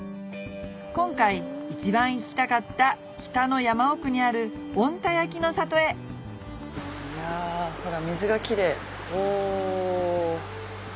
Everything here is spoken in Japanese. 今回一番行きたかった日田の山奥にある小鹿田焼の里へいやほら水がキレイお。